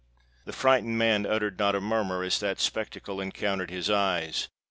The frightened man uttered not a murmur as that spectacle encountered his eyes.